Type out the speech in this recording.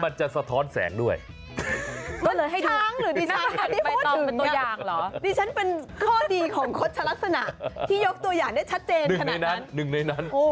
ระดับนี้